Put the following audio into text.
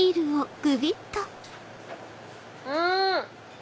うん！